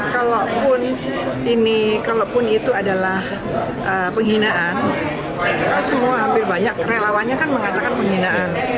kalaupun ini kalaupun itu adalah penghinaan semua hampir banyak relawannya kan mengatakan penghinaan